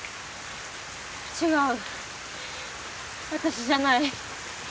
違う私じゃない。